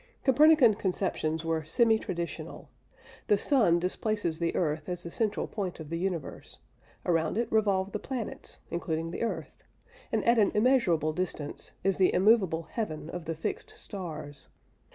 Copernican conceptions were semi traditional. The sun displaces the earth as the central point of the universe: around it revolve the planets including the earth; and, at an immeasurable distance, is the immovable heaven of the fixed stars.